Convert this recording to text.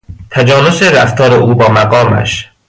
تجانس رفتار او با مقامش